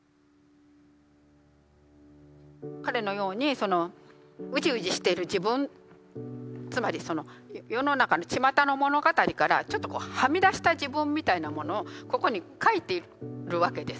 彼のようにそのうじうじしている自分つまりその世の中のちまたの物語からちょっとはみ出した自分みたいなものをここに書いているわけですよ。